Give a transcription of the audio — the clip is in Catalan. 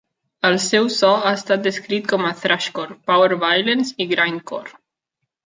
El seu so ha estat descrit com a thrashcore, power violence i grindcore.